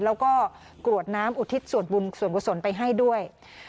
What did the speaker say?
แล้วก็กรวดน้ำอุทิศส่วนบุญส่วนกุศลไปให้ด้วย